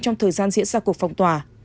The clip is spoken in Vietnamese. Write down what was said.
trong thời gian diễn ra cuộc phòng tòa